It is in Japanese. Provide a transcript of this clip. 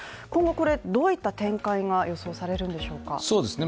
今後、どういった展開が予想されるんでしょうか。